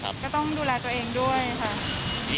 ก็ต้องดูแลตัวเองด้วยค่ะ